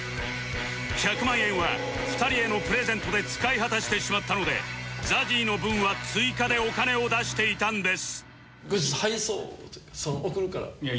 １００万円は２人へのプレゼントで使い果たしてしまったので ＺＡＺＹ の分は追加でお金を出していたんです